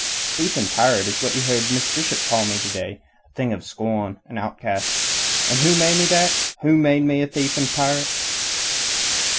Thief and pirate is what you heard Miss Bishop call me to day a thing of scorn, an outcast. And who made me that? Who made me thief and pirate?"